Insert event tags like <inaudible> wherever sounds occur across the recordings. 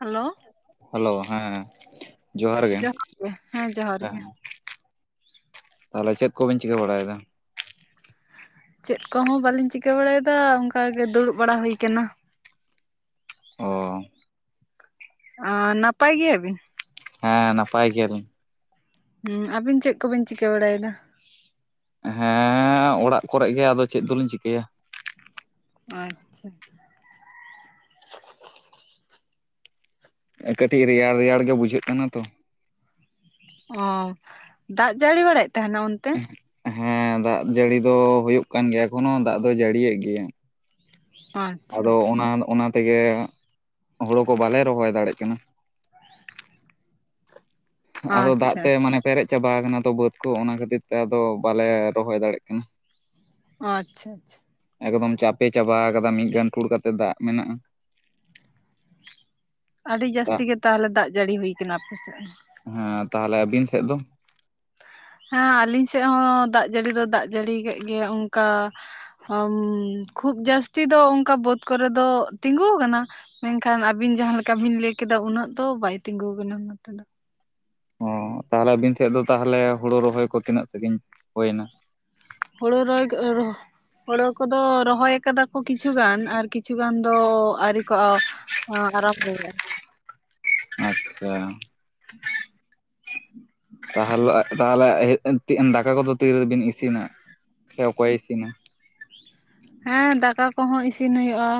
Hello! Hello, ᱦᱮᱸ᱾ <unintelligible> ᱜᱮ, ᱦᱮᱸ ᱡᱚᱦᱟᱨ ᱜᱮ᱾ ᱛᱟᱦᱚᱞᱮ ᱪᱮᱫ ᱠᱚ ᱵᱮᱱ ᱪᱤᱠᱟᱹ ᱵᱟᱲᱟᱭ ᱫᱟ? ᱪᱮᱫ ᱠᱚᱦᱚᱸ ᱵᱟᱹᱞᱤᱧ ᱪᱤᱠᱟᱹ ᱵᱟᱲᱟᱭᱮᱫᱟ ᱚᱱᱠᱟ ᱜᱮ ᱫᱩᱲᱩᱵ ᱵᱟᱲᱟ ᱦᱩᱭ ᱟᱠᱟᱱᱟ᱾ ᱚᱻ ᱚᱸ, ᱱᱟᱯᱟᱭ ᱜᱮᱭᱟ ᱵᱤᱱ? ᱦᱮᱸ, ᱱᱟᱯᱟᱭ ᱜᱮᱭᱟᱞᱤᱧ᱾ ᱦᱩᱸ, ᱟᱵᱤᱱ ᱪᱮᱫ ᱠᱚᱵᱤᱱ ᱪᱤᱠᱟᱹ ᱵᱟᱲᱟᱭᱫᱟ? ᱦᱮᱸᱻ ᱚᱲᱟᱜ ᱠᱚᱨᱮᱜ ᱜᱮ ᱟᱫᱚ ᱪᱮᱫ ᱫᱚᱞᱤᱧ ᱪᱤᱠᱟᱹᱭᱟ? ᱟᱸᱡᱼᱼ ᱠᱟᱹᱴᱤᱡ ᱨᱮᱭᱟᱲ ᱨᱮᱭᱟᱲ ᱜᱮ ᱵᱩᱡᱷᱟᱹᱜ ᱠᱟᱱᱟ ᱛᱚ᱾ ᱚᱸ, ᱫᱟᱜ ᱡᱟᱹᱲᱤ ᱵᱟᱲᱟᱭᱮᱫ ᱛᱟᱦᱮᱱᱟ ᱚᱱᱛᱮ? ᱦᱮᱸ, ᱫᱟᱜ ᱡᱟᱹᱲᱤ ᱫᱚ ᱦᱩᱭᱩᱜ ᱠᱟᱱ ᱜᱮᱭᱟ ᱮᱠᱷᱚᱱᱳ ᱫᱟᱜ ᱫᱚ ᱡᱟᱹᱲᱤᱭᱮᱫ ᱜᱮᱭᱟ᱾ ᱚᱸᱼᱼ ᱟᱫᱚ, ᱚᱱᱟᱼᱚᱱᱟ ᱛᱮᱜᱮ, ᱦᱳᱲᱳ ᱠᱩ ᱵᱟᱞᱮ ᱨᱚᱦᱚᱭ ᱫᱟᱲᱮᱜ ᱠᱟᱱᱟ᱾ <inaudible> ᱟᱫᱚ ᱫᱟᱜ ᱟᱪᱪᱷᱟ ᱛᱮ ᱟᱪᱪᱷᱟ ᱢᱟᱱᱮ ᱯᱮᱨᱮᱡ ᱪᱟᱵᱟ ᱠᱟᱱᱟ ᱛᱚ ᱵᱟᱹᱫᱽ ᱠᱚ ᱚᱱᱟ ᱠᱷᱟᱹᱛᱤᱨ ᱛᱮ ᱟᱫᱚ ᱵᱟᱞᱮ ᱨᱚᱦᱚᱭ ᱫᱟᱲᱮᱜ ᱠᱟᱱᱟ᱾ ᱚ, ᱟᱪᱷᱟᱼᱟᱪᱷᱟ᱾ ᱮᱠᱫᱚᱢ ᱪᱟᱯᱮ ᱪᱟᱵᱟ ᱠᱟᱫᱟ ᱢᱤᱫ ᱜᱟᱱᱴᱷᱩᱲ ᱠᱟᱛᱮᱫ ᱫᱟᱜ ᱢᱮᱱᱟᱜᱼᱟ ᱾ ᱟᱹᱰᱤ ᱡᱟᱹᱥᱛᱤ ᱫᱟᱜ ᱜᱮ ᱛᱟᱦᱚᱞᱮ ᱫᱟᱜ ᱡᱟᱹᱲᱤ ᱦᱩᱭ ᱠᱟᱱᱟ ᱟᱯᱮᱥᱮᱜᱼᱼ ᱦᱮᱸ ᱛᱟᱦᱚᱞᱮ ᱟᱹᱵᱤᱱ ᱴᱷᱮᱜ ᱫᱚ? ᱦᱮᱸ ᱟᱹᱞᱤᱧ ᱥᱮᱸᱜ ᱦᱚᱸ, ᱫᱟᱜ ᱡᱟᱹᱲᱤ ᱫᱚ ᱫᱟᱜ ᱡᱟᱹᱲᱤ ᱠᱟᱜ ᱜᱮᱭᱟ ᱚᱝᱠᱟᱼᱼ ᱦᱟᱢ, ᱠᱷᱩᱵ ᱡᱟᱹᱥᱛᱤ ᱫᱚ ᱚᱝᱠᱟ ᱵᱟᱹᱫᱽ ᱠᱚᱨᱮ ᱫᱚ, ᱛᱤᱸᱜᱩ ᱠᱟᱱᱟ᱾ ᱢᱮᱱᱠᱷᱟᱱ ᱟᱵᱤᱱ ᱡᱟᱦᱟᱸ ᱞᱮᱠᱟ ᱵᱤᱱ ᱞᱟᱹᱭ ᱠᱮᱫᱟ ᱩᱱᱟᱹᱜ ᱫᱚ, ᱵᱟᱭ ᱛᱤᱸᱜᱩ ᱟᱠᱟᱱᱟ ᱱᱚᱛᱮ ᱫᱚ᱾ ᱚᱸ, ᱛᱟᱦᱚᱞᱮ ᱟᱹᱵᱤᱱ ᱛᱷᱮᱜ ᱫᱚ ᱛᱟᱦᱚᱞᱮ ᱦᱩᱲᱩ ᱨᱚᱦᱚᱭ ᱠᱚ ᱛᱤᱱᱟᱹᱜ ᱥᱟᱺᱜᱤᱧ ᱦᱩᱭ ᱱᱟ? ᱦᱩᱲᱩ ᱨᱚᱦᱚᱭ ᱠᱚ, <unintelligible> ᱦᱩᱲᱩ ᱠᱚᱫᱚ, ᱨᱚᱦᱚᱭᱼᱼ ᱠᱟᱫᱟ ᱠᱚ ᱠᱤᱪᱷᱩ ᱜᱟᱱ, ᱟᱨ ᱠᱤᱪᱷᱩ ᱜᱟᱱ ᱫᱚ ᱟᱹᱣᱨᱤ ᱠᱚ ᱟᱸ ᱟᱨᱟᱢᱵᱷᱚ ᱭᱟ ᱟᱨᱼᱼ ᱟᱪᱷᱟ᱾ ᱛᱟᱦᱚᱞᱮ, ᱛᱟᱦᱚᱞᱮ <inaudible> ᱫᱟᱠᱟ ᱠᱚᱫᱚ ᱛᱤᱨᱮᱵᱤᱱ ᱤᱥᱤᱱᱟ, ᱥᱮ ᱚᱠᱚᱭᱼᱮ ᱤᱥᱤᱱᱟ? ᱦᱮᱸ, ᱫᱟᱠᱟ ᱠᱚᱦᱚᱸ ᱤᱥᱤᱱ ᱦᱩᱭᱩᱜᱼᱟ᱾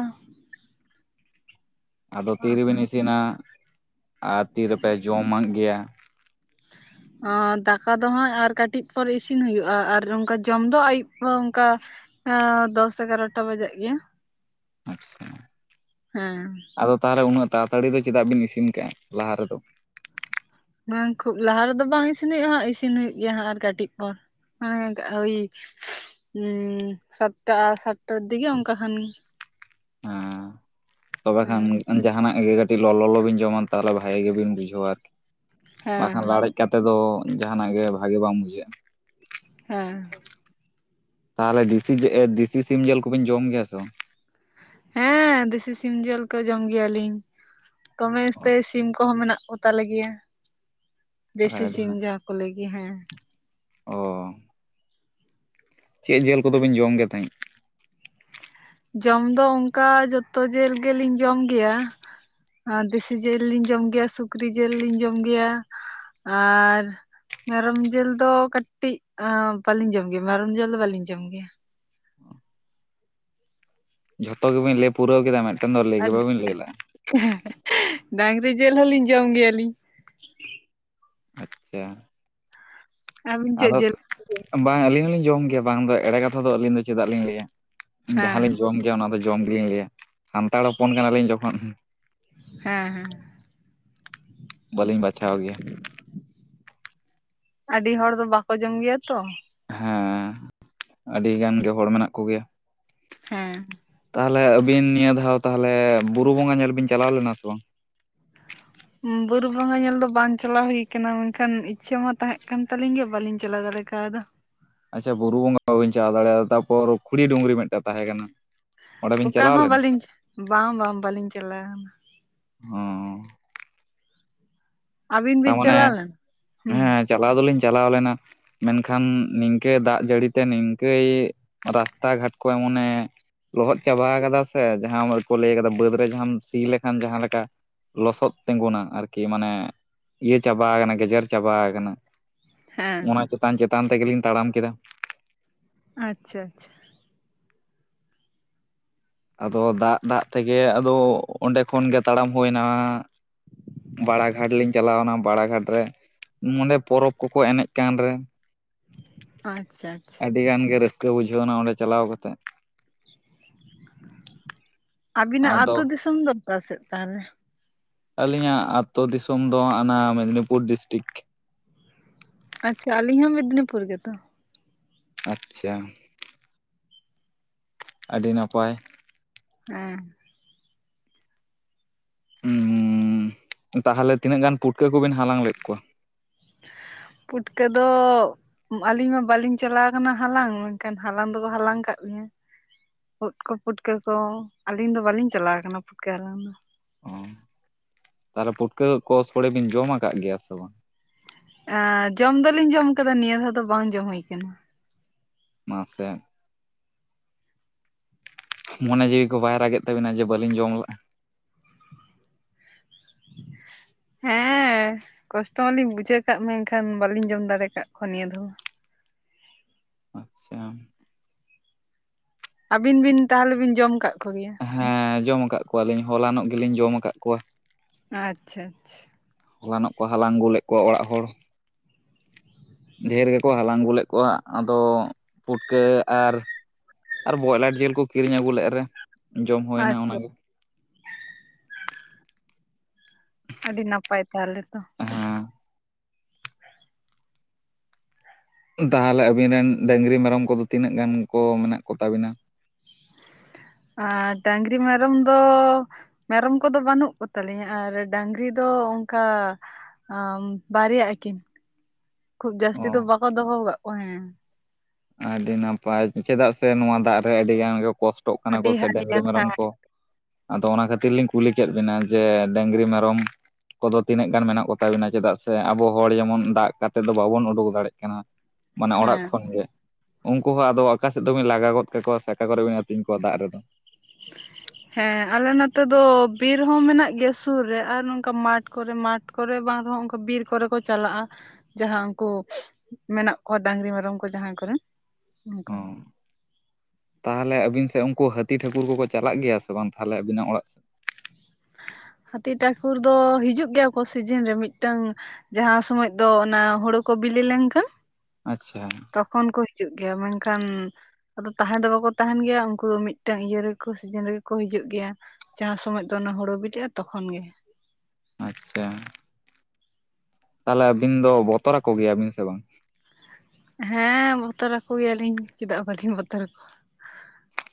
ᱟᱫᱚ ᱛᱤᱨᱮᱵᱮᱱ ᱤᱥᱤᱱᱟ? ᱟᱨ ᱛᱤᱨᱮᱯᱮ ᱡᱚᱢᱟᱜ ᱜᱮᱭᱟ ᱚᱸ, ᱫᱟᱠᱟ ᱫᱚ ᱦᱟᱸᱜ ᱟᱨ ᱠᱟᱹᱴᱤᱡ ᱯᱚᱨ ᱤᱥᱤᱱ ᱦᱩᱭᱩᱜᱼᱟ, ᱟᱨ ᱚᱝᱠᱟ ᱡᱚᱢ ᱫᱚ ᱟᱹᱭᱩᱵ ᱚᱱᱠᱟᱼᱼ ᱟᱺ ᱫᱚᱥ ᱮᱜᱟᱨᱚᱴᱟ ᱵᱟᱡᱟᱜ ᱜᱮᱭᱟ᱾ ᱟᱪᱷᱟ᱾ ᱦᱮᱸ ᱟᱫᱚ ᱛᱟᱦᱚᱞᱮ ᱩᱱᱟᱹᱜ ᱛᱟᱲᱟᱛᱟᱲᱤ ᱫᱚ ᱪᱮᱫᱟᱜ ᱵᱤᱱ ᱤᱥᱤᱱ ᱠᱟᱜᱼᱟ, ᱞᱟᱦᱟ ᱨᱮᱫᱚ? ᱵᱟᱝ ᱠᱷᱩᱵ ᱞᱟᱦᱟ ᱨᱮᱫᱚ ᱵᱟᱝ ᱤᱥᱤᱱ ᱦᱩᱭᱩᱜᱼᱟ ᱦᱟᱸᱜ ᱤᱥᱤᱱ ᱦᱩᱭᱩᱜ ᱜᱮᱭᱟ ᱦᱟᱸᱜ ᱟᱨ ᱠᱟᱹᱴᱤᱡ ᱯᱚᱨ᱾ <unintelligible> ᱩᱭ ᱩᱸ ᱥᱟᱛᱴᱟ, ᱥᱟᱛᱴᱟᱨ ᱫᱤᱜᱮ ᱚᱱᱠᱟ ᱠᱷᱟᱱ᱾ ᱮᱸ ᱛᱚᱵᱮ ᱠᱷᱟᱱ ᱦᱮᱸ ᱡᱟᱦᱟᱱᱟᱜ ᱜᱮ ᱠᱟᱹᱴᱤᱡ ᱞᱚᱞᱚ ᱞᱚᱞᱚ ᱵᱤᱱ ᱡᱚᱢᱟ ᱛᱟᱦᱚᱞᱮ ᱵᱷᱟᱜᱮ ᱜᱮᱵᱤᱱ ᱵᱩᱡᱷᱟᱹᱣᱟ ᱟᱨᱠᱤ, ᱦᱮᱸ ᱵᱟᱠᱷᱟᱱ ᱞᱟᱲᱮᱡ ᱠᱟᱛᱮ ᱫᱚ ᱡᱟᱦᱟᱱᱟᱜ ᱜᱮ ᱵᱷᱟᱜᱮ ᱵᱟᱝ ᱵᱩᱡᱷᱟᱹᱜᱼᱟ᱾ ᱦᱮᱸ᱾ ᱛᱟᱦᱚᱞᱮ ᱫᱤᱥᱤ ᱮ ᱫᱤᱥᱤ ᱥᱤᱢ ᱡᱮᱞ ᱠᱚᱵᱤᱱ ᱡᱚᱢ ᱜᱮᱭᱟ ᱛᱚ? ᱦᱮᱸ ᱫᱤᱥᱤ ᱥᱤᱢ ᱡᱮᱞ ᱠᱚ ᱡᱚᱢ ᱜᱮᱭᱟᱞᱤᱧ᱾ ᱫᱚᱢᱮ ᱚ ᱩᱥᱛᱟᱹᱭ ᱥᱤᱢ ᱠᱚᱦᱚᱸ ᱢᱮᱱᱟᱜ ᱠᱚ ᱛᱟᱞᱮ ᱜᱮᱭᱟ᱾ ᱛᱟᱦᱚᱞᱮ ᱫᱮᱥᱤ ᱟᱹᱰᱤ ᱥᱤᱢ ᱡᱟᱦᱟᱸ ᱠᱚ ᱞᱟᱹᱭ ᱜᱮᱭᱟ ᱦᱮᱸ᱾ ᱚᱻ ᱪᱮᱫ ᱡᱮᱞ ᱠᱚᱫᱚ ᱵᱤᱱ ᱡᱚᱢ ᱜᱮ ᱛᱟᱸᱦᱮᱡ? ᱡᱚᱢ ᱫᱚ ᱚᱝᱠᱟ ᱡᱚᱛᱚ ᱡᱮᱞ ᱜᱮᱞᱤᱧ ᱡᱚᱢ ᱜᱮᱭᱟ᱾ ᱟᱸ ᱫᱮᱥᱤ ᱡᱮᱞ ᱞᱤᱧ ᱡᱚᱢ ᱜᱮᱭᱟ, ᱥᱩᱠᱨᱤ ᱡᱮᱞ ᱞᱤᱧ ᱡᱚᱢ ᱜᱮᱭᱟ ᱟᱨ ᱢᱮᱨᱚᱢ ᱡᱤᱞ ᱫᱚ ᱠᱟᱹᱴᱤᱡ ᱟᱸ ᱵᱟᱹᱞᱤᱧ ᱡᱚᱢ ᱜᱮᱭᱟ, ᱢᱮᱨᱚᱢ ᱡᱤᱞ ᱫᱚ ᱵᱟᱹᱞᱤᱧ ᱡᱚᱢ ᱜᱮᱭᱟ᱾ ᱡᱷᱚᱛᱚ ᱜᱮᱵᱤᱱ ᱞᱟᱹᱭ ᱯᱩᱨᱟᱹᱣ ᱠᱮᱫᱟ, ᱢᱤᱫᱴᱮᱱ ᱫᱚ ᱞᱟᱹᱭ ᱜᱮ ᱵᱟᱵᱤᱱ ᱞᱟᱹᱭ ᱞᱮᱫᱼᱟ᱾ <unintelligible> ᱰᱟᱹᱝᱨᱤ ᱡᱮᱞ ᱦᱚᱞᱤᱧ ᱡᱚᱢ ᱜᱮᱭᱟᱞᱤᱧ᱾ ᱟᱪᱪᱷᱟ ᱾ ᱟᱹᱵᱤᱱ ᱪᱮᱫ ᱟᱫᱚ ᱡᱤᱞ ᱵᱟᱝ ᱟᱹᱞᱤᱧ ᱦᱚᱞᱤᱧ ᱡᱚᱢ ᱜᱮᱭᱟ, ᱵᱟᱝ ᱫᱚ ᱮᱲᱮ ᱠᱟᱛᱷᱟ ᱫᱚ ᱟᱹᱞᱤᱧ ᱫᱚ ᱪᱮᱫᱟᱜ ᱞᱤᱧ ᱞᱟᱹᱭᱟ᱾ ᱦᱮᱸ ᱡᱟᱦᱟᱸᱞᱤᱧ ᱡᱚᱢ ᱜᱮᱭᱟ ᱚᱱᱟ ᱫᱚ ᱡᱚᱢ ᱜᱮᱞᱤᱧ ᱞᱟᱹᱭᱟ, ᱥᱟᱱᱛᱟᱲ ᱦᱚᱯᱚᱱ ᱠᱟᱱᱟᱞᱤᱧ ᱡᱚᱠᱷᱚᱱ᱾ ᱦᱮᱸ ᱦᱮᱸ᱾ ᱵᱟᱹᱞᱤᱧ ᱵᱟᱪᱷᱟᱣ ᱜᱮᱭᱟ᱾ ᱟᱹᱰᱤ ᱦᱚᱲ ᱫᱚ ᱵᱟᱠᱚ ᱡᱚᱢ ᱜᱮᱭᱟ ᱛᱚ᱾ ᱦᱮᱸ ᱟᱹᱰᱤ ᱜᱟᱱ ᱜᱮ ᱦᱚᱲ ᱢᱮᱱᱟᱜ ᱠᱚ ᱜᱮᱭᱟ᱾ ᱦᱮᱸ᱾ ᱛᱟᱦᱚᱞᱮ ᱟᱹᱵᱤᱱ ᱱᱤᱭᱟᱹ ᱫᱷᱟᱣ ᱛᱟᱦᱚᱞᱮ ᱵᱩᱨᱩ ᱵᱚᱸᱜᱟ ᱧᱮᱞ ᱵᱤᱱ ᱪᱟᱞᱟᱣ ᱞᱮᱱᱟ ᱥᱮ ᱵᱟᱝ? ᱵᱩᱨᱩ ᱵᱚᱸᱜᱟ ᱧᱮᱞ ᱫᱚ ᱵᱟᱝ ᱪᱟᱞᱟᱣ ᱦᱩᱭ ᱠᱟᱱᱟ, ᱢᱮᱱᱠᱷᱟᱱ ᱤᱪᱪᱷᱟᱹ ᱢᱟ ᱛᱟᱦᱮᱸᱜ ᱠᱟᱱ ᱛᱟᱹᱞᱤᱧ ᱜᱮ᱾ ᱵᱟᱞᱤᱧ ᱪᱟᱞᱟᱣ ᱫᱟᱲᱮ ᱠᱟᱣᱫᱟ᱾ ᱟᱪᱪᱷᱟ ᱵᱩᱨᱩ ᱵᱚᱸᱜᱟ ᱵᱟᱵᱤᱱ ᱪᱟᱞᱟᱣ ᱫᱟᱲᱮᱣᱟᱫᱟ, ᱛᱟᱯᱚᱨ ᱠᱷᱩᱲᱤ ᱰᱩᱝᱨᱤ ᱢᱮᱫᱴᱮᱡ ᱛᱟᱦᱮᱸ ᱠᱟᱱᱟ᱾ ᱚᱸᱰᱮ ᱵᱤᱱ ᱚᱠᱟ ᱪᱟᱞᱟᱣ ᱦᱚᱸ ᱞᱮᱱᱟ ᱵᱟᱹᱞᱤᱧ, ᱵᱟᱝ ᱵᱟᱝ ᱵᱟᱹᱞᱤᱧ ᱪᱟᱞᱟᱣ ᱠᱟᱱᱟ᱾ ᱦᱚᱸᱻ ᱟᱹᱵᱤᱱ ᱛᱟ ᱵᱤᱱ ᱢᱟᱱᱮ ᱪᱟᱞᱟᱣ ᱞᱮᱱᱟ ᱦᱩᱸ ᱦᱮᱸ ᱪᱟᱞᱟᱣ ᱫᱚᱞᱤᱧ ᱪᱟᱞᱟᱣ ᱞᱮᱱᱟ᱾ ᱢᱮᱱᱠᱷᱟᱱ ᱱᱤᱝᱠᱟᱹ ᱫᱟᱜ ᱡᱟᱹᱲᱤᱛᱮ ᱱᱤᱝᱠᱟᱹᱭ ᱨᱟᱥᱛᱟ ᱜᱷᱟᱴ ᱠᱚ ᱮᱢᱚᱱᱮ ᱞᱚᱦᱚᱫ ᱪᱟᱵᱟᱣ ᱠᱟᱫᱟ ᱥᱮ ᱡᱟᱦᱟᱸ ᱠᱚ ᱞᱟᱹᱭ ᱠᱟᱫᱟ ᱵᱟᱹᱫ ᱨᱮ ᱡᱟᱦᱟᱸᱢ ᱥᱤ ᱞᱮᱠᱷᱟᱱ ᱡᱟᱦᱟᱸ ᱞᱮᱠᱟ ᱞᱚᱥᱚᱫ ᱛᱮᱸᱜᱩᱱᱟ ᱟᱨᱠᱤ ᱢᱟᱱᱮ ᱤᱭᱟᱹ ᱪᱟᱵᱟᱣ ᱟᱠᱟᱱᱟ ᱜᱮᱡᱮᱨ ᱪᱟᱵᱟᱣ ᱟᱠᱟᱱᱟ᱾ ᱦᱮᱸ ᱚᱱᱟ ᱪᱮᱛᱟᱱ ᱪᱮᱛᱟᱱ ᱛᱮᱜᱮᱞᱤᱧ ᱛᱟᱲᱟᱢ ᱠᱮᱫᱟ᱾ ᱟᱪᱪᱷᱟ ᱟᱪᱪᱷᱟ᱾ ᱟᱫᱚ ᱫᱟᱜ ᱫᱟᱜ ᱛᱮᱜᱮ ᱟᱫᱚ ᱚᱸᱰᱮ ᱠᱷᱚᱱ ᱜᱮ ᱛᱟᱲᱟᱢ ᱦᱳᱭᱱᱟ ᱵᱟᱲᱟ ᱜᱷᱟᱴ ᱞᱤᱧ ᱪᱟᱞᱟᱣᱮᱱᱟ, ᱵᱟᱲᱟ ᱜᱷᱟᱴ ᱨᱮ ᱱᱚᱸᱰᱮ ᱯᱚᱨᱚᱵᱽ ᱠᱚᱠᱚ ᱮᱱᱮᱡ ᱠᱟᱱ ᱨᱮ ᱟᱪᱪᱷᱟ ᱟᱪᱪᱷᱟ ᱟᱹᱰᱤ ᱜᱟᱱ ᱜᱮ ᱨᱟᱹᱥᱠᱟᱹ ᱵᱩᱡᱷᱟᱹᱣ ᱮᱱᱟ ᱚᱸᱰᱮ ᱪᱟᱞᱟᱣ ᱠᱟᱛᱮᱫ ᱾ ᱟᱵᱤᱱᱟᱜ ᱟᱫᱚ ᱟᱹᱛᱩ ᱫᱤᱥᱚᱢ ᱫᱚ ᱚᱠᱟ ᱥᱮᱫ ᱛᱟᱦᱞᱮ? ᱟᱹᱞᱤᱧᱟᱜ ᱟᱛᱳ ᱫᱤᱥᱚᱢ ᱫᱚ ᱦᱟᱸᱜᱼᱱᱟ ᱢᱮᱫᱽᱱᱤᱯᱩᱨ ᱰᱤᱥᱴᱤᱠ᱾ ᱟᱪᱪᱷᱟ ᱟᱹᱞᱤᱧ ᱦᱚᱸ ᱢᱮᱫᱽᱱᱤᱯᱩᱨ ᱜᱮᱛᱚ᱾ ᱟᱪᱪᱷᱟ᱾ ᱟᱹᱰᱤ ᱱᱟᱯᱟᱭ᱾ ᱦᱮᱸ᱾ ᱩᱸᱻ ᱛᱟᱦᱚᱞᱮ ᱛᱤᱱᱟᱹᱜ ᱜᱟᱱ ᱯᱩᱴᱠᱟᱹ ᱠᱚᱵᱤᱱ ᱦᱟᱞᱟᱝ ᱞᱮᱫ ᱠᱚᱣᱟ? ᱯᱩᱴᱠᱟᱹ ᱫᱚᱻ ᱟᱞᱤᱧ ᱢᱟ ᱵᱟᱹᱞᱤᱧ ᱪᱟᱞᱟᱣ ᱟᱠᱟᱱᱟ ᱦᱟᱞᱟᱝ ᱢᱮᱱᱠᱷᱟᱱ ᱦᱟᱞᱟᱝ ᱫᱚᱠᱚ ᱦᱟᱞᱟᱝ ᱠᱟᱫ ᱞᱤᱧᱟᱹ ᱾ ᱳᱴ ᱠᱚ ᱯᱷᱩᱴᱠᱟᱹ ᱠᱚ ᱟᱹᱞᱤᱧ ᱫᱚ ᱵᱟᱹᱞᱤᱧ ᱪᱟᱞᱟᱣ ᱟᱠᱟᱱᱟ ᱯᱩᱴᱠᱟᱹ ᱦᱟᱞᱟᱝ ᱾ ᱚ ᱛᱟᱦᱚᱞᱮ ᱯᱩᱴᱠᱟᱹ ᱠᱚ ᱥᱳᱲᱮ ᱵᱤᱱ ᱡᱚᱢ ᱟᱠᱟᱫ ᱜᱮᱭᱟ ᱥᱮ ᱵᱟᱝ? ᱡᱚᱢ ᱫᱚᱞᱤᱧ ᱡᱚᱢ ᱟᱠᱟᱫᱟ ᱱᱤᱭᱟᱹ ᱫᱷᱟᱣ ᱫᱚ ᱵᱟᱝ ᱡᱚᱢ ᱦᱩᱭ ᱟᱠᱟᱱᱟ ᱾ ᱢᱟᱥᱮᱫ ᱢᱚᱱᱮ ᱡᱤᱣᱤ ᱠᱚ ᱵᱟᱭ ᱨᱟᱜᱮᱫ ᱛᱟᱹᱵᱤᱱᱟ ᱡᱮ ᱵᱟᱹᱞᱤᱧ ᱡᱚᱢ ᱞᱟᱜᱼᱟ? <inaudible> ᱦᱮᱸ ᱠᱚᱥᱴᱚ ᱢᱟᱞᱤᱧ ᱵᱩᱡᱷᱟᱹᱣ ᱠᱟᱜ ᱢᱮᱱᱠᱷᱟᱱ ᱵᱟᱞᱤᱧ ᱡᱚᱢ ᱫᱟᱲᱮ ᱟᱠᱟᱫ ᱠᱚᱣᱟ ᱱᱤᱭᱟᱹ ᱫᱷᱟᱣ ᱾ ᱟᱪᱪᱷᱟ ᱾ ᱟᱹᱵᱤᱱ ᱵᱤᱱ ᱛᱟᱦᱚᱞᱮ ᱵᱤᱱ ᱡᱚᱢ ᱠᱟᱜ ᱠᱚᱜᱮᱭᱟ? ᱦᱮᱸ ᱡᱚ ᱠᱟᱜ ᱠᱚᱣᱟᱞᱤᱧ ᱦᱚᱞᱟᱱᱚᱜ ᱜᱮᱞᱤᱧ ᱡᱚᱢ ᱠᱟᱜ ᱠᱚᱣᱟ ᱾ ᱟᱪᱪᱷᱟ ᱟᱪᱪᱷᱟ ᱾ ᱦᱚᱞᱟᱱᱚᱜ ᱠᱚ ᱦᱟᱞᱟᱝ ᱟᱹᱜᱩ ᱞᱮᱫᱮᱫ ᱠᱚᱣᱟ ᱚᱲᱟᱜ ᱦᱚᱲ ᱾ ᱰᱷᱮᱨ ᱜᱮᱠᱚ ᱦᱟᱞᱟᱝ ᱟᱹᱜ ᱞᱮᱫ ᱠᱚᱣᱟ ᱟᱫᱚ ᱯᱩᱴᱠᱟᱹ ᱟᱨ ᱟᱨ ᱵᱚᱭᱞᱟᱨ ᱡᱤᱞ ᱠᱚ ᱠᱤᱨᱤᱧ ᱟᱹᱜᱩ ᱞᱮᱫ ᱨᱮ ᱡᱚᱢ ᱦᱩᱭᱱᱟ ᱚᱱᱟ ᱟᱪᱪᱷᱟ ᱟᱪᱪᱷᱟ ᱜᱮ ᱾ ᱟᱹᱰᱤ ᱱᱟᱯᱟᱭ ᱛᱟᱦᱚᱞᱮ ᱛᱚ ᱾ ᱦᱮᱸ ᱾ ᱛᱟᱦᱚᱞᱮ ᱟᱵᱤᱱ ᱨᱮᱱ ᱰᱟᱹᱝᱨᱤ ᱢᱮᱨᱚᱢ ᱠᱚᱫᱚ ᱛᱤᱱᱟᱹᱜ ᱜᱟᱱ ᱠᱚ ᱢᱮᱱᱟᱜ ᱠᱚ ᱛᱟᱵᱤᱱᱟ? ᱟᱨ ᱰᱟᱝᱨᱤ ᱢᱮᱨᱚᱢ ᱫᱚ ᱢᱮᱨᱚᱢ ᱠᱚᱫᱚ ᱵᱟᱹᱱᱩᱜ ᱠᱚ ᱛᱟᱞᱤᱧᱟ, ᱟᱨ ᱰᱟᱝᱨᱤ ᱫᱚ ᱚᱱᱠᱟ ᱵᱟᱨᱭᱟᱜᱼᱟᱠᱤᱱ ᱠᱷᱩᱵ ᱡᱟᱹᱥᱛᱤ ᱫᱚ ᱚ ᱵᱟᱠᱚ ᱫᱚᱦᱚ ᱠᱟᱜ ᱠᱚᱣᱟ ᱦᱮᱸ ᱾ ᱟᱹᱰᱤ ᱱᱟᱯᱟᱭ ᱪᱮᱫᱟᱜ ᱥᱮ ᱱᱚᱣᱟ ᱫᱟᱜ ᱨᱮ ᱟᱹᱰᱤ ᱜᱟᱱ ᱜᱮ ᱠᱚᱥ ᱥᱚᱴᱚᱜ ᱠᱟᱱᱟ ᱠᱚ ᱟᱹᱰᱤ ᱥᱮ ᱰᱟᱝᱨᱤ ᱦᱟᱹᱴᱤᱭᱟᱱ ᱢᱮᱨᱚᱢ ᱦᱮᱸ ᱠᱚ ᱾ ᱟᱫᱚ ᱚᱱᱟ ᱠᱷᱟᱹᱛᱤᱨ ᱞᱤᱧ ᱠᱩᱞᱤ ᱠᱮᱫ ᱵᱤᱱᱟ ᱡᱮ ᱰᱟᱝᱨᱤ ᱢᱮᱨᱚᱢ ᱠᱚᱫᱚ ᱛᱤᱱᱟᱹᱜ ᱜᱟᱱ ᱢᱮᱱᱟᱜ ᱠᱚᱛᱟ ᱵᱚᱱᱟ ᱠᱚᱫᱚ ᱛᱤᱱᱟᱹᱜ ᱜᱟᱱ ᱢᱮᱱᱟᱜ ᱠᱚ ᱛᱟᱵᱮᱱᱟ ᱪᱮᱫᱟᱜ ᱥᱮ ᱟᱵᱚ ᱦᱚᱲ ᱡᱮᱢᱚᱱ ᱫᱟᱜ ᱠᱟᱛᱮ ᱫᱚ ᱵᱟᱵᱚᱱ ᱩᱰᱩᱠ ᱫᱟᱲᱮᱭᱟᱜ ᱠᱟᱱᱟ ᱾ ᱢᱟᱱᱮ ᱚᱲᱟᱜ ᱦᱮᱸ ᱠᱷᱚᱱ ᱜᱮ ᱾ ᱩᱱᱠᱩ ᱦᱚᱸ ᱟᱫᱚ ᱚᱠᱟ ᱥᱮᱫ ᱫᱚᱵᱤᱱ ᱞᱟᱜᱟ ᱜᱚᱫ ᱠᱟᱠᱚᱣᱟ ᱥᱮ ᱚᱠᱟ ᱠᱚᱨᱮ ᱵᱤᱱ ᱟᱹᱛᱤᱧ ᱠᱚᱣᱟ ᱫᱟᱜ ᱨᱮᱫᱚ ᱾ ᱦᱮᱸ ᱟᱞᱮ ᱱᱚᱛᱮ ᱫᱚ ᱵᱤᱨ ᱦᱚᱸ ᱢᱮᱱᱟᱜ ᱜᱮᱭᱟ ᱥᱩᱨ ᱨᱮ ᱟᱨ ᱱᱚᱝᱠᱟ ᱢᱟᱴᱷ ᱠᱚᱨᱮ ᱢᱟᱴᱷ ᱠᱚᱨᱮ ᱵᱟᱝ ᱨᱮᱦᱚᱸ ᱩᱱᱠᱟ ᱵᱤᱨ ᱠᱚᱨᱮ ᱠᱚ ᱪᱟᱞᱟᱜᱼᱟ ᱾ ᱡᱟᱦᱟᱸ ᱩᱱᱠᱩ ᱢᱮᱱᱟᱜ ᱠᱚᱣᱟ ᱰᱟᱝᱨᱤ ᱢᱮᱨᱚᱢ ᱠᱚ ᱡᱟᱦᱟᱸᱭ ᱠᱚᱨᱮᱱ ᱾ ᱚ ᱛᱟᱦᱚᱞᱮ ᱟᱹᱵᱤᱱ ᱥᱮᱫ ᱩᱱᱠᱩ ᱦᱟᱹᱛᱤ ᱴᱷᱟᱹᱠᱩᱨ ᱠᱚᱠᱚ ᱪᱟᱞᱟᱜ ᱜᱮᱭᱟ ᱥᱮ ᱵᱟᱝ ᱛᱟᱦᱚᱞᱮ ᱟᱵᱤᱱᱟᱜ ᱚᱲᱟᱜ ᱥᱮᱫ? ᱦᱟᱹᱛᱤ ᱴᱷᱟᱹᱠᱩᱨ ᱫᱚ ᱦᱤᱡᱩᱜ ᱜᱮᱭᱟ ᱠᱚ ᱥᱤᱡᱤᱱ ᱨᱮ ᱢᱤᱫᱴᱟᱝ ᱡᱟᱦᱟᱸ ᱥᱚᱢᱚᱭ ᱫᱚ ᱚᱱᱟ ᱦᱩᱲᱩ ᱠᱚ ᱵᱤᱞᱤ ᱞᱮᱱᱠᱷᱟᱱ ᱾ ᱟᱪᱪᱷᱟ ᱾ ᱛᱚᱠᱷᱚᱱ ᱠᱚ ᱦᱤᱡᱩᱜ ᱜᱮᱭᱟ ᱢᱮᱱᱠᱷᱟᱱ ᱟᱫᱚ ᱛᱟᱦᱮᱱ ᱫᱚ ᱵᱟᱠᱚ ᱛᱟᱦᱮᱱ ᱜᱮᱭᱟ ᱩᱱᱠᱩ ᱫᱚ ᱢᱤᱫᱴᱮᱱ ᱤᱭᱟᱹ ᱨᱮᱠᱚ ᱥᱤᱡᱤᱱ ᱨᱮᱜᱮ ᱠᱚ ᱦᱤᱡᱩᱜ ᱜᱮᱭᱟ ᱾ ᱪᱟᱥ ᱥᱚᱢᱚᱭ ᱫᱚ ᱚᱱᱟ ᱦᱩᱲᱳ ᱵᱤᱞᱤᱜᱼᱟ ᱛᱚᱠᱷᱚᱱ ᱜᱮ ᱾ ᱟᱪᱪᱷᱟ ᱾ ᱛᱟᱦᱚᱞᱮ ᱟᱹᱵᱤᱱ ᱫᱚ ᱵᱚᱛᱚᱨ ᱠᱚ ᱜᱮᱭᱟ ᱵᱤᱱ ᱥᱮ ᱵᱟᱝ? ᱦᱮᱸ ᱵᱚᱛᱚᱨ ᱟᱠᱚ ᱜᱮᱭᱟᱞᱤᱧ ᱪᱮᱫᱟᱜ ᱵᱟᱹᱞᱤᱧ ᱵᱚᱛᱚᱨ ᱟᱠᱚᱣᱟ ᱾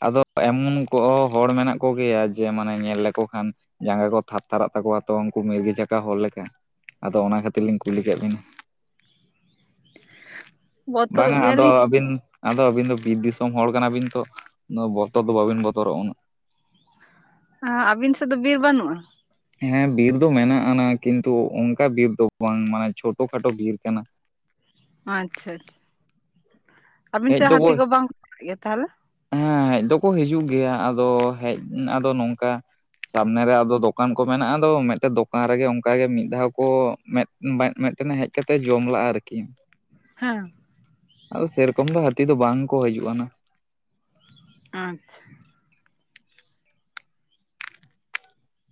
ᱟᱫᱚ ᱮᱢᱚᱱ ᱠᱚ ᱦᱚᱸ ᱦᱚᱲ ᱢᱮᱱᱟᱜ ᱠᱚᱜᱮᱭᱟ ᱡᱮ ᱢᱟᱱᱮ ᱧᱮᱞ ᱞᱮᱠᱩ ᱠᱷᱟᱱ ᱡᱟᱸᱜᱟ ᱠᱚ ᱛᱷᱟᱨ ᱛᱷᱟᱨᱟᱜ ᱛᱟᱠᱚᱣᱟ ᱛᱚ ᱩᱱᱠᱩ ᱢᱤᱨᱜᱤ ᱪᱷᱟᱠᱟ ᱦᱚᱲ ᱞᱮᱠᱟ ᱾ ᱟᱫᱚ ᱚᱱᱟ ᱠᱷᱟᱹᱛᱤᱨ ᱞᱤᱧ ᱠᱩᱞᱤ ᱠᱮᱜ ᱵᱤᱱᱟ ᱾ ᱵᱚᱛᱚᱨᱚᱜ ᱵᱟᱝᱟ ᱟᱫᱚ ᱜᱮᱭᱟᱞᱤᱧ ᱟᱹᱵᱤᱱ ᱟᱫᱚ ᱟᱹᱵᱤᱱ ᱫᱚ ᱵᱤᱨ ᱫᱤᱥᱚᱢ ᱦᱚᱲ ᱠᱟᱱᱟᱵᱤᱱ ᱛᱚ ᱾ ᱚᱱᱟᱹ ᱵᱚᱛᱚᱨ ᱫᱚ ᱵᱟᱵᱤᱱ ᱵᱚᱛᱚᱨᱚᱜ ᱩᱱᱟᱹᱜ? ᱟ ᱟᱹᱵᱤᱱ ᱥᱮᱫ ᱫᱚ ᱵᱤᱨ ᱵᱟᱹᱱᱩᱜᱼᱟ? ᱦᱮᱸ ᱵᱤᱨ ᱫᱚ ᱢᱮᱱᱟᱜ ᱟᱱᱟ ᱠᱤᱱᱛᱩ ᱚᱱᱠᱟ ᱵᱤᱨ ᱫᱚ ᱵᱟᱝ ᱢᱟᱱᱮ ᱪᱷᱚᱴᱚ ᱠᱷᱟᱴᱚ ᱵᱤᱨ ᱠᱟᱱᱟ ᱾ ᱟᱪᱪᱷᱟ ᱟᱪᱪᱷᱟ, ᱟᱹᱵᱤᱱ ᱦᱮᱡ ᱥᱮᱫ ᱦᱟᱹᱛᱤ ᱫᱚᱠᱚ ᱠᱚ ᱵᱟᱝ ᱠᱚ ᱦᱩᱡᱤᱜ ᱜᱮᱭᱟ ᱛᱟᱦᱚᱞᱮ? ᱦᱮᱸ ᱦᱮᱡ ᱫᱚᱠᱚ ᱦᱤᱡᱩᱜ ᱜᱮᱭᱟ ᱟᱫᱚ ᱦᱮᱡ ᱟᱫᱚ ᱱᱚᱝᱠᱟ ᱥᱟᱢᱱᱮ ᱨᱮ ᱟᱫᱚ ᱫᱚᱠᱟᱱ ᱠᱚ ᱢᱮᱱᱟᱜᱼᱟ ᱟᱫᱚ ᱢᱤᱫᱴᱮᱜ ᱫᱚᱠᱟᱱ ᱨᱮᱜᱮ ᱚᱱᱠᱟ ᱜᱮ ᱢᱤᱫ ᱫᱷᱟᱣ ᱠᱚ ᱢᱮᱫ <unintelligible> ᱢᱮᱫᱴᱮᱱᱮ ᱦᱮᱡ ᱠᱟᱛᱮᱜ ᱡᱚᱢ ᱞᱟᱜᱼᱟ ᱟᱨᱠᱤ ᱾ ᱦᱟᱸ ᱾ ᱟᱫᱚ ᱥᱮᱨᱚᱠᱚᱢ ᱫᱚ ᱦᱟᱹᱛᱤ ᱫᱚ ᱵᱟᱝ ᱠᱚ ᱦᱤᱡᱩᱜ ᱠᱟᱱᱟ ᱾ ᱟᱪᱪᱷᱟ ᱾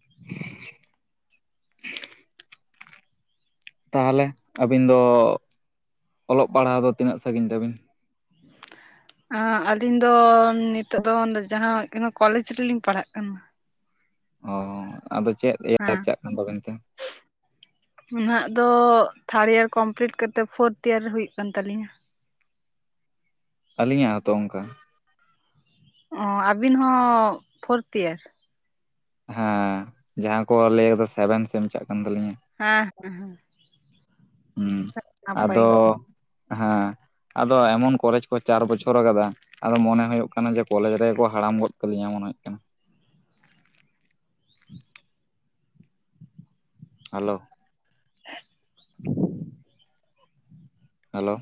<inaudible> ᱛᱟᱦᱚᱞᱮ ᱟᱹᱵᱤᱱ ᱫᱚ ᱚᱞᱚᱜ ᱯᱟᱲᱦᱟᱣ ᱫᱚ ᱛᱤᱱᱟᱹᱜ ᱥᱟᱸᱜᱤᱧ ᱛᱟᱹᱵᱤᱱ? ᱟᱸ ᱟᱹᱞᱤᱧ ᱫᱚ ᱱᱤᱛᱚᱜ ᱫᱚ ᱡᱟᱦᱟᱸ ᱦᱩᱭᱩᱜ ᱠᱟᱱᱟ ᱠᱚᱞᱮᱡᱽ ᱨᱮᱞᱤᱧ ᱯᱟᱲᱦᱟᱜ ᱠᱟᱱᱟ ᱾ ᱚ ᱟᱫᱚ ᱪᱮᱫ ᱭᱟᱹᱨ ᱦᱮᱸ ᱪᱟᱞᱟᱜ ᱠᱟᱱ ᱛᱟᱵᱮᱱ ᱛᱮ? ᱩᱱᱟᱹᱜ ᱫᱚ ᱛᱷᱟᱰ ᱭᱟᱹᱨ ᱠᱚᱢᱯᱞᱤᱴ ᱠᱟᱛᱮ ᱯᱷᱳᱨᱛ ᱭᱟᱹᱨ ᱦᱩᱭᱩᱜ ᱠᱟᱱ ᱛᱟᱹᱞᱤᱧᱟ ᱾ ᱟᱹᱞᱤᱧᱟᱜ ᱦᱚᱸᱛᱚ ᱚᱱᱠᱟ ᱾ ᱚᱸᱻ ᱟᱹᱵᱤᱱ ᱦᱚᱸ ᱯᱷᱳᱨᱛ ᱭᱟᱹᱨ? ᱦᱮᱸ ᱡᱟᱦᱟᱸ ᱠᱚ ᱞᱟᱹᱭᱟ ᱫᱚ ᱥᱮᱵᱮᱱ ᱥᱮᱢ ᱪᱟᱜ ᱠᱟᱱ ᱛᱟᱹᱞᱤᱧᱟ ᱾ ᱦᱮᱸ ᱦᱮᱸ ᱦᱮᱸ ᱾ ᱦᱮᱸ ᱟᱫᱚ ᱦᱟᱸ ᱾ ᱟᱫᱚ ᱮᱢᱚᱱ ᱠᱚᱞᱮᱡᱽ ᱠᱚ ᱪᱟᱨ ᱵᱚᱪᱷᱚᱨ ᱟᱠᱟᱫᱟ ᱾ ᱟᱫᱚ ᱢᱚᱱᱮ ᱦᱩᱭᱩᱜ ᱠᱟᱱᱟ ᱡᱮ ᱠᱚᱞᱮᱡᱽ ᱨᱮᱠᱚ ᱦᱟᱲᱟᱢ ᱜᱚᱫ ᱠᱟᱹᱞᱤᱧᱟ ᱢᱚᱱᱮ ᱦᱩᱭᱩᱜ ᱠᱟᱱᱟ ᱾ <inaudible> ᱦᱟᱞᱳ ᱾ <inaudible> ᱦᱟᱞᱳ ᱾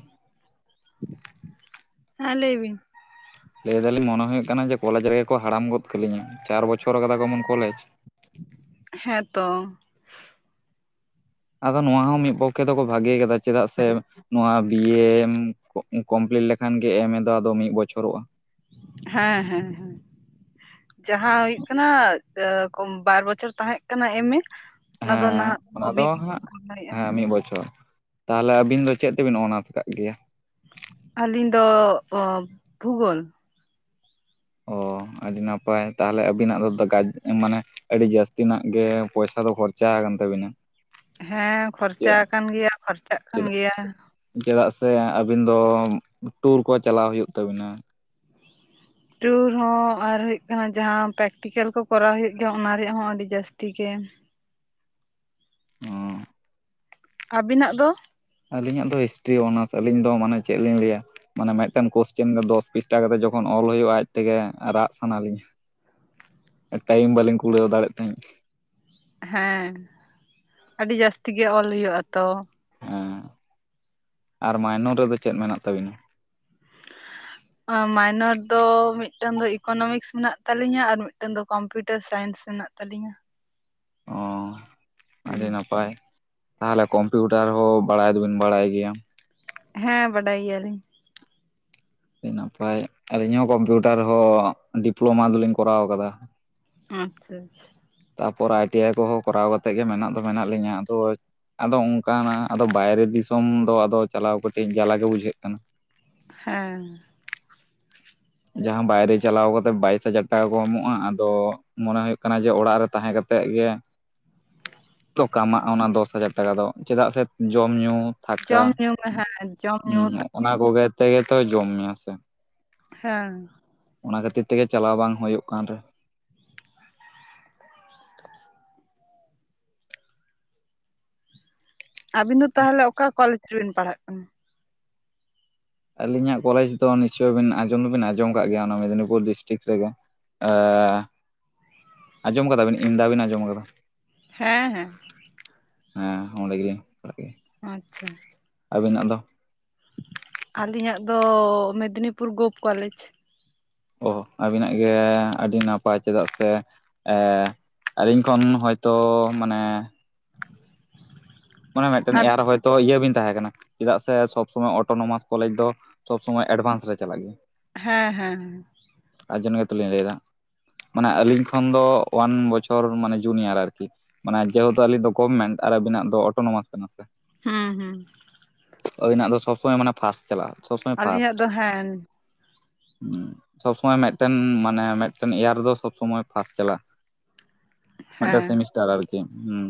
ᱦᱮᱸ ᱞᱟᱹᱭ ᱵᱤᱱ ᱾ ᱞᱟᱹᱭ ᱫᱟᱞᱤᱧ ᱢᱚᱱᱮ ᱦᱩᱭᱩᱜ ᱠᱟᱱᱟ ᱡᱮ ᱠᱚᱞᱮᱡᱽ ᱨᱮᱜᱮ ᱠᱚ ᱦᱟᱲᱟᱢ ᱜᱚᱫ ᱠᱟᱹᱞᱤᱧᱟ ᱪᱟᱨ ᱵᱚᱪᱷᱚᱨ ᱟᱠᱟᱫᱟᱠᱚ ᱢᱮᱢᱚᱱ ᱠᱚᱞᱮᱡᱽ ᱾ ᱦᱮᱸᱛᱚ ᱾ ᱟᱫᱚ ᱱᱚᱣᱟ ᱦᱚᱸ ᱢᱤᱫ ᱯᱚᱠᱷᱮ ᱫᱚᱠᱚ ᱵᱷᱟᱜᱮ ᱠᱟᱫᱟ ᱪᱮᱫᱟᱜ ᱥᱮ ᱱᱚᱣᱟ ᱵᱤ ᱭ ᱢ ᱠᱚᱢᱯᱞᱤᱴ ᱞᱮᱠᱷᱟᱱ ᱜᱮ ᱮᱢ ᱮ ᱫᱚ ᱟᱫᱚ ᱢᱤᱫ ᱵᱚᱪᱷᱚᱨᱚᱜᱼᱟ ᱾ ᱦᱮᱸ ᱦᱮᱸ ᱦᱮᱸ ᱾ ᱡᱟᱦᱟᱸ ᱦᱩᱭᱩᱜ ᱠᱟᱱᱟ, ᱵᱟᱨ ᱵᱚᱪᱷᱚᱨ ᱛᱟᱦᱮᱸᱜ ᱠᱟᱱᱟ ᱮᱢ ᱮ ᱚᱱᱟ ᱫᱚ ᱦᱮᱸ ᱱᱟᱦᱟᱜ ᱚᱱᱟ ᱫᱚ ᱦᱟᱸᱜ ᱦᱮᱸ <unintelligible> ᱢᱤᱫ ᱵᱚᱪᱷᱚᱨ ᱾ ᱛᱟᱦᱚᱞᱮ ᱟᱹᱵᱤᱱ ᱫᱚ ᱪᱮᱫ ᱛᱮᱵᱤᱱ ᱚᱱᱟᱹᱨᱥ ᱟᱠᱟᱫ ᱜᱮᱭᱟ? ᱟᱹᱞᱤᱧ ᱫᱚ ᱵᱷᱩᱜᱳᱞ ᱾ ᱚᱸ ᱟᱹᱰᱤ ᱱᱟᱯᱟᱭ ᱛᱟᱦᱚᱞᱮ ᱟᱹᱵᱤᱱᱟᱜ ᱫᱚ ᱜᱟᱡ ᱢᱟᱱᱮ ᱟᱹᱰᱤ ᱡᱟᱹᱥᱛᱤᱱᱟᱜ ᱜᱮ ᱯᱚᱭᱥᱟᱹ ᱫᱚ ᱠᱷᱚᱨᱪᱟ ᱟᱠᱟᱱ ᱛᱟᱵᱤᱱᱟ ᱾ ᱦᱮᱸ ᱠᱷᱚᱨᱪᱟ ᱟᱠᱟᱱ ᱜᱮᱭᱟ ᱠᱷᱚᱨᱪᱟᱜ ᱠᱟᱱ ᱪᱮᱫᱟᱜ ᱜᱮᱭᱟ ᱾ ᱪᱮᱫᱟᱜ ᱥᱮ ᱟᱹᱵᱤᱱ ᱫᱚ ᱴᱩᱨ ᱠᱚ ᱪᱟᱞᱟᱣ ᱦᱩᱭᱩᱜ ᱛᱟᱹᱵᱤᱱᱟ ᱾ ᱴᱩᱨ ᱦᱚᱸ ᱟᱨ ᱦᱩᱭᱩᱜ ᱠᱟᱱᱟ ᱡᱟᱦᱟᱸ ᱯᱮᱨᱮᱠᱴᱤᱠᱮᱞ ᱠᱚ ᱠᱚᱨᱟᱣ ᱦᱩᱭᱩᱜ ᱜᱮᱭᱟ ᱚᱱᱟ ᱨᱮᱭᱟᱜ ᱦᱚᱸ ᱟᱹᱰᱤ ᱡᱟᱹᱥᱛᱤ ᱜᱮ ᱦᱩᱸ ᱾ ᱟᱹᱵᱤᱱᱟᱜ ᱫᱚ? ᱟᱹᱞᱤᱧᱟᱜ ᱫᱚ ᱦᱤᱥᱴᱨᱤ ᱚᱱᱟᱹᱨᱥ ᱟᱹᱞᱤᱧ ᱫᱚ ᱢᱟᱱᱮ ᱪᱮᱫ ᱞᱤᱧ ᱞᱟᱹᱭᱟ ᱢᱟᱱᱮ ᱢᱤᱫᱴᱮᱱ ᱠᱚᱳᱥᱪᱮᱱ ᱨᱮ ᱫᱚᱥ ᱯᱤᱥᱴᱟ ᱠᱟᱛᱮ ᱡᱚᱠᱷᱚᱱ ᱚᱞ ᱦᱩᱭᱩᱜᱼᱟ ᱟᱡ ᱛᱮᱜᱮ ᱨᱟᱜ ᱥᱟᱱᱟᱞᱤᱧᱟ ᱾ ᱴᱟᱭᱤᱢ ᱵᱟᱹᱞᱤᱧ ᱠᱩᱲᱟᱹᱣ ᱫᱟᱲᱮᱭᱟᱜ ᱛᱟᱦᱮᱸᱧ ᱾ ᱦᱮᱸ ᱟᱹᱰᱤ ᱡᱟᱹᱥᱛᱤ ᱜᱮ ᱚᱞ ᱦᱩᱭᱩᱜ ᱟᱛᱚ ᱾ ᱦᱮᱸ ᱟᱨ ᱢᱟᱭᱱᱚᱨ ᱨᱮᱫᱚ ᱪᱮᱫ ᱢᱮᱱᱟᱜ ᱛᱟᱵᱤᱱᱟ? ᱢᱟᱭᱱᱚᱨ ᱫᱚ ᱢᱤᱫᱴᱟᱝ ᱫᱚ ᱤᱠᱳᱱᱚᱢᱤᱠᱥ ᱢᱮᱱᱟᱜ ᱛᱟᱹᱟᱞᱤᱧᱟ ᱟᱨ ᱢᱤᱫᱴᱟᱝ ᱫᱚ ᱠᱚᱢᱯᱤᱩᱴᱟᱨ ᱥᱟᱭᱮᱱᱥ ᱢᱮᱱᱟᱜ ᱛᱟᱹᱞᱤᱧᱟ ᱾ ᱚᱹ ᱦᱩᱸ ᱟᱹᱰᱤ ᱱᱟᱯᱟᱭ ᱾ ᱛᱟᱦᱚᱞᱮ ᱠᱚᱢᱯᱤᱭᱩᱴᱟᱨ ᱦᱚᱸ ᱵᱟᱲᱟᱭ ᱫᱚᱵᱤᱱ ᱵᱟᱲᱟᱭ ᱜᱮᱭᱟ? ᱦᱮᱸ ᱵᱟᱰᱟᱭ ᱜᱮᱭᱟᱞᱤᱧ ᱾ ᱟᱹᱰᱤ ᱱᱟᱯᱟᱭ ᱟᱹᱞᱤᱧ ᱦᱚᱸ ᱠᱚᱢᱯᱤᱭᱩᱴᱟᱨ ᱦᱚᱸ ᱰᱤᱯᱞᱳᱢᱟ ᱫᱚᱞᱤᱧ ᱠᱚᱨᱟᱣ ᱠᱟᱫᱟ ᱾ ᱟᱪᱪᱷᱟ ᱟᱪᱪᱷᱟ ᱾ ᱛᱟᱯᱚᱨ ᱟᱭ ᱴᱤ ᱟᱭ ᱠᱚᱦᱚᱸ ᱠᱚᱨᱟᱣ ᱠᱟᱛᱮᱫ ᱜᱮ ᱢᱮᱱᱟᱜ ᱫᱚ ᱢᱮᱱᱟᱜ ᱞᱤᱧᱟᱹ ᱟᱫᱚ ᱟᱫᱚ ᱚᱱᱠᱟ ᱱᱟᱜ ᱟᱫᱚ ᱵᱟᱭᱨᱮ ᱫᱤᱥᱚᱢ ᱫᱚ ᱟᱫᱚ ᱪᱟᱞᱟᱣ ᱠᱟᱹᱴᱤᱡ ᱡᱟᱞᱟ ᱜᱮ ᱵᱩᱡᱷᱟᱹᱜ ᱠᱟᱱᱟ ᱾ ᱦᱮᱸ ᱾ ᱡᱟᱦᱟᱸ ᱵᱟᱭᱨᱮ ᱪᱟᱞᱟᱣ ᱠᱟᱛᱮᱜ ᱵᱟᱭᱤᱥ ᱦᱟᱡᱟᱨ ᱴᱟᱠᱟ ᱠᱚ ᱮᱢᱚᱜᱼᱟ ᱟᱫᱚ ᱢᱚᱱᱮ ᱦᱩᱭᱩᱜ ᱠᱟᱱᱟ ᱡᱮ ᱚᱲᱟᱜ ᱨᱮ ᱛᱟᱦᱮᱸ ᱠᱟᱛᱮᱜ ᱜᱮ ᱛᱚ ᱠᱟᱢᱟᱜᱼᱟ ᱚᱱᱟ ᱫᱚᱥ ᱦᱟᱡᱟᱨ ᱴᱟᱠᱟ ᱫᱚ ᱪᱮᱫᱟᱜ ᱥᱮ ᱡᱚᱢ ᱧᱩ ᱛᱷᱟᱠᱟ ᱡᱚᱢ ᱧᱩ ᱦᱮᱸ ᱡᱚᱢ ᱧᱩ ᱚᱱᱟ ᱠᱚᱜᱮ ᱛᱮᱜᱮ ᱛᱚ ᱡᱚᱢ ᱢᱮᱥᱮ ᱦᱮᱸ ᱾ ᱚᱱᱟ ᱠᱷᱟᱹᱛᱤᱨ ᱛᱮᱜᱮ ᱪᱟᱞᱟᱣ ᱵᱟᱝ ᱦᱩᱭᱩᱜ ᱠᱟᱱ ᱨᱮ ᱟᱵᱤᱱ ᱫᱚ ᱛᱟᱦᱚᱞᱮ ᱚᱠᱟ ᱠᱚᱞᱮᱡᱽ ᱨᱮᱵᱤᱱ ᱯᱟᱲᱦᱟᱜ ᱠᱟᱱᱟ? ᱟᱹᱞᱤᱧᱟᱜ ᱠᱚᱞᱮᱡᱽ ᱫᱚ ᱱᱤᱥᱪᱳᱭ ᱵᱤᱱ ᱟᱸᱡᱚᱢ ᱫᱚᱵᱤᱱ ᱟᱸᱡᱚᱢ ᱟᱠᱟᱜ ᱜᱮᱭᱟ ᱚᱱᱟ ᱢᱮᱫᱽᱱᱤᱯᱩᱨ ᱰᱤᱥᱴᱤᱠ ᱨᱮᱜᱮ ᱾ ᱮᱻ ᱟᱸᱡᱚᱢ ᱠᱟᱫᱟᱵᱤᱱ ᱟᱵᱤᱱ <unintelligible> ᱟᱸᱡᱚᱢ ᱟᱠᱟᱫᱟ ᱦᱮᱸ ᱦᱮᱸ ᱦᱮᱸ ᱚᱸᱰᱮ ᱜᱮᱞᱤᱧᱟᱜ ᱯᱟᱲᱟᱜ ᱜᱮᱭᱟ ᱾ ᱟᱪᱪᱷᱟ ᱾ ᱟᱵᱤᱱᱟᱜ ᱫᱚ? ᱟᱹᱞᱤᱧᱟᱜ ᱫᱚ ᱢᱮᱫᱽᱱᱤᱯᱩᱨ ᱜᱳᱵᱷ ᱠᱚᱞᱮᱡᱽ ᱾ ᱚᱸ ᱟᱹᱵᱤᱱᱟᱜ ᱜᱮ ᱟᱹᱰᱤ ᱱᱟᱯᱟᱭ ᱪᱮᱫᱟᱜ ᱥᱮ ᱟᱹᱞᱤᱧ ᱠᱷᱚᱱ ᱦᱚᱭᱛᱚ ᱢᱟᱱᱮ ᱢᱟᱱᱮ ᱢᱤᱫᱴᱮᱱ ᱦᱮᱸ ᱮᱭᱟᱨ ᱦᱚᱭᱛᱚ ᱤᱭᱟᱹ ᱵᱤᱱ ᱛᱟᱦᱮᱸ ᱠᱟᱱᱟ ᱪᱮᱫᱟᱜ ᱥᱮ ᱥᱚᱵᱽ ᱥᱚᱢᱚᱭ ᱚᱴᱳᱱᱳᱢᱟᱥ ᱠᱚᱞᱮᱡᱽ ᱫᱚ ᱥᱚᱵᱽ ᱥᱚᱢᱚᱭ ᱮᱰᱵᱷᱟᱱᱥ ᱨᱮ ᱪᱟᱞᱟᱜ ᱜᱮᱭᱟ, ᱦᱮᱸ ᱦᱮᱸ ᱦᱮᱸ ᱾ ᱛᱟᱨᱡᱡᱚᱱᱮ ᱜᱮᱛᱚ ᱞᱤᱧ ᱞᱟᱹᱭᱮᱫᱟ ᱾ ᱢᱟᱱᱮ ᱟᱹᱞᱤᱧ ᱠᱷᱚᱱ ᱫᱚ ᱳᱣᱟᱱ ᱵᱚᱪᱷᱚᱨ ᱢᱟᱱᱮ ᱡᱩᱱᱤᱭᱟᱨ ᱟᱨᱠᱤ ᱢᱟᱱᱮ ᱡᱮᱦᱮᱛᱩ ᱟᱹᱞᱤᱧ ᱫᱚ ᱜᱚᱵᱷᱢᱮᱱᱴ ᱟᱨ ᱟᱵᱤᱱᱟᱜ ᱫᱚ ᱚᱴᱳᱱᱳᱢᱟᱥ ᱠᱟᱱᱟ ᱥᱮ, ᱦᱩᱸ ᱦᱩᱸ ᱾ ᱟᱵᱤᱱ ᱟᱜ ᱫᱚ ᱥᱚᱵ ᱥᱚᱢᱚᱭ ᱢᱟᱱᱮ ᱯᱷᱟᱥᱴ ᱪᱟᱞᱟᱜᱼᱟ ᱥᱚᱵ ᱥᱚᱢᱚᱭ ᱟᱹᱞᱤᱧᱟᱜ ᱯᱷᱟᱥᱴ, ᱫᱚ ᱦᱮᱸ ᱩᱜ ᱥᱚᱵᱽ ᱥᱚᱢᱚᱭ ᱢᱤᱫᱴᱮᱱ ᱢᱟᱱᱮ ᱢᱤᱫᱴᱮᱱ ᱤᱭᱟᱨᱫᱚ ᱥᱚᱵᱽ ᱥᱚᱢᱚᱭ ᱯᱷᱟᱥᱴ ᱪᱟᱞᱟᱜᱼᱟ ᱾ ᱢᱤᱫ ᱴᱟᱝ ᱦᱮᱸ ᱥᱮᱢᱤᱥᱴᱟᱨ ᱟᱨᱠᱤ ᱦᱩᱸ,